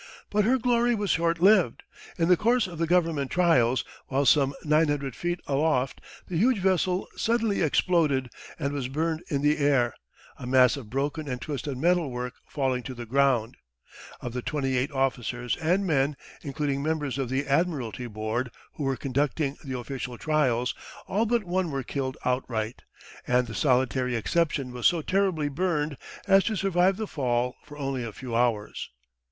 But her glory was short lived. In the course of the Government trials, while some 900 feet aloft, the huge vessel suddenly exploded and was burned in the air, a mass of broken and twisted metal work falling to the ground. Of the 28 officers and men, including members of the Admiralty Board who were conducting the official trials, all but one were killed outright, and the solitary exception was so terribly burned as to survive the fall for only a few hours.